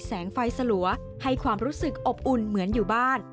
แสงไฟสลัวให้ความรู้สึกอบอุ่นเหมือนอยู่บ้าน